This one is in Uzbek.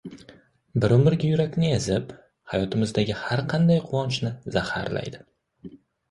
bir umrga yurakni ezib, hayotimizdagi har qanday quvonchni zaharlaydi